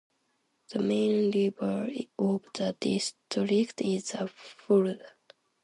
The main river of the district is the Fulda.